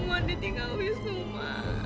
mau ditinggal wisnu ma